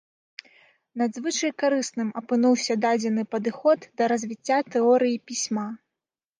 Надзвычай карысным апынуўся дадзены падыход для развіцця тэорыі пісьма.